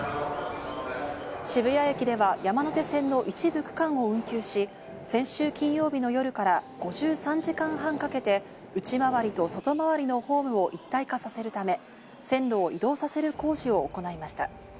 渋谷駅では山手線の一部区間を運休し、先週金曜日の夜から５３時間半かけて内回りと外回りのホームも一体化させるため線路を移動させる工事を行いました。